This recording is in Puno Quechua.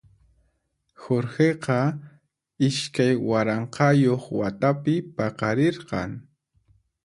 Jorgeqa iskay waranqayuq watapi paqarirqan.